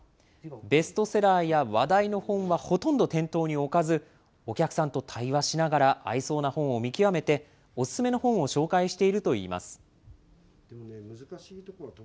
ベストセラーや話題の本はほとんど店頭に置かず、お客さんと対話しながら、合いそうな本を見極めて、お薦めの本を紹介しているといいます。